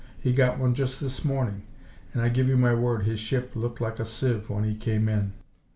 He got one just this morning, and I give you my word his ship looked like a sieve when he came in.